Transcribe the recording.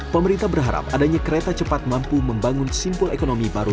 pemerintah berharap adanya kereta cepat mampu membangun simpul ekonomi baru